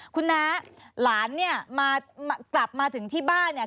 คุณน้าหลานเนี่ยมากลับมาถึงที่บ้านเนี่ย